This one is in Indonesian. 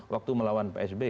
waktu melawan psb